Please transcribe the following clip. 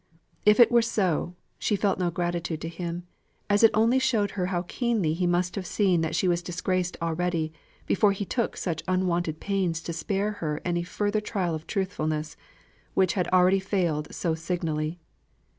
If it were so, she felt no gratitude to him, as it only showed her how keenly he must have seen that she was disgraced already, before he took such unwonted pains to spare her any further trial of truthfulness, which had already failed so signally.